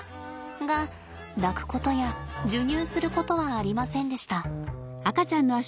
が抱くことや授乳することはありませんでした。